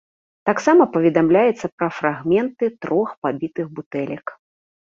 Таксама паведамляецца пра фрагменты трох пабітых бутэлек.